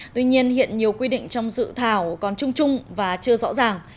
tuy nhiên hiện nhiều quy định trong dự thảo còn trung trung và chưa rõ ràng